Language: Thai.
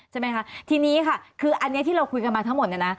ใช่ไหมคะทีนี้ค่ะคืออันนี้ที่เราคุยกันมาทั้งหมดเนี่ยนะ